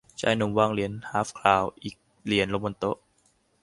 ชายหนุ่มวางเหรียญฮาล์ฟคราวน์อีกเหรียญลงบนโต๊ะ